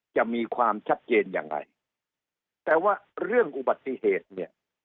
จะมีความชัดเจนยังไงแต่ว่าเรื่องอุบัติเหตุเนี่ย